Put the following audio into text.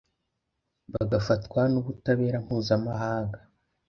bagafatwa n’ubutabera mpuzamahanga